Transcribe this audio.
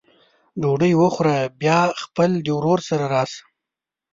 ډوډۍ وخوره بیا خپل د ورور سره راسه!